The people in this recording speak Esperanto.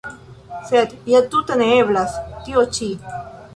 Sed ja tute neeblas, tio ĉi.